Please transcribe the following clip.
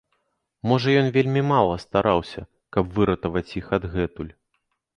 Можа ён вельмі мала стараўся, каб выратаваць іх адгэтуль!